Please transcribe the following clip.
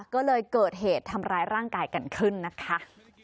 ก็เลยเกิดเหตุทำร้ายร่างกายกันขึ้นนะคะ